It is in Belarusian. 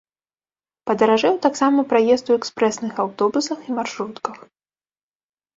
Падаражэў таксама праезд у экспрэсных аўтобусах і маршрутках.